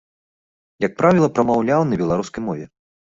Як правіла, прамаўляў на беларускай мове.